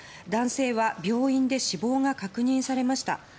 男性は病院で死亡が確認されました。